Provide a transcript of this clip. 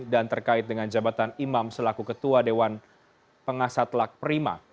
dan terkait dengan jabatan imam selaku ketua dewan pengasat lak prima